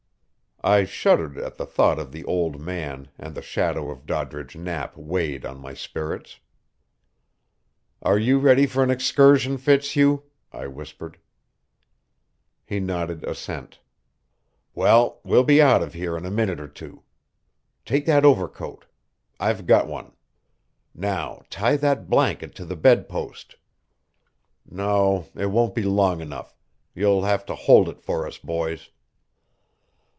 I shuddered at the thought of the "old man," and the shadow of Doddridge Knapp weighed on my spirits. "Are you ready for an excursion, Fitzhugh?" I whispered. He nodded assent. "Well, we'll be out of here in a minute or two. Take that overcoat. I've got one. Now tie that blanket to the bedpost. No, it won't be long enough. You'll have to hold it for us, boys."